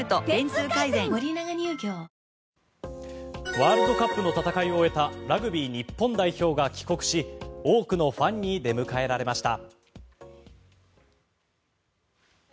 ワールドカップの戦いを終えたラグビー日本代表が帰国し多くのファンに出迎えられました。